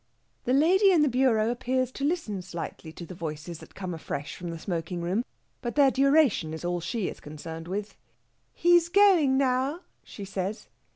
The lady in the bureau appears to listen slightly to the voices that come afresh from the smoking room, but their duration is all she is concerned with. "He's going now," she says.